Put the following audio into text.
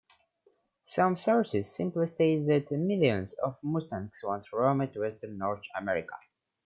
Some sources simply state that "millions" of mustangs once roamed western North America.